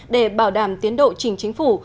để bảo đảm tiến độ chỉnh chính phủ